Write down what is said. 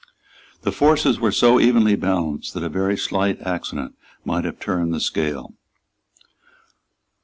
The forces were so evenly balanced that a very slight accident might have turned the scale.